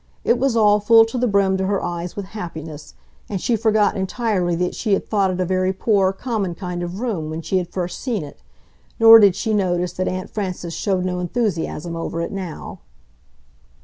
It was all full to the brim to her eyes with happiness, and she forgot entirely that she had thought it a very poor, common kind of room when she had first seen it. Nor did she notice that Aunt Frances showed no enthusiasm over it now.